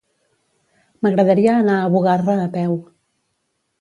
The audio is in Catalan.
M'agradaria anar a Bugarra a peu.